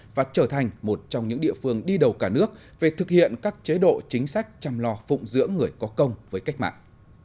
và trở thành một trong những địa phương đi đầu cả nước về thực hiện các chế độ chính sách chăm lo phụng dưỡng người có công với cách mạng